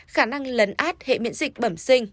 khả năng lấn át hệ miễn dịch bẩm sinh